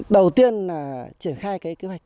đầu tiên là triển khai cái kế hoạch